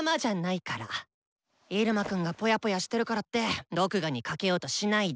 イルマくんがぽやぽやしてるからって毒牙にかけようとしないで。